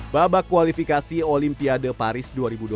babak kualifikasi olimpiade paris dua ribu dua puluh